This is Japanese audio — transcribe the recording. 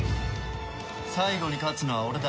最後に勝つのは俺だ。